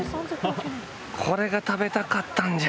これが食べたかったんじゃ！